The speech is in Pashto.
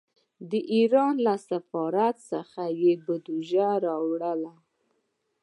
د ایران له سفارت څخه یې بودجه راوړه.